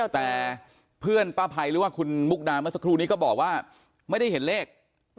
แต่เพื่อนป้าภัยหรือว่าคุณมุกดาเมื่อสักครู่นี้ก็บอกว่าไม่ได้เห็นเลข